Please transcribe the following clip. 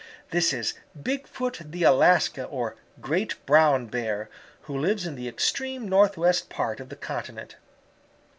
This is Bigfoot the Alaska or Great Brown Bear, who lives in the extreme northwest part of the continent.